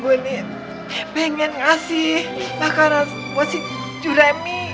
gue nih pengen ngasih makanan buat si curami